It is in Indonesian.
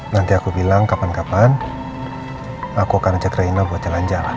nanti aku bilang kapan kapan aku akan ajak raina buat jalan jalan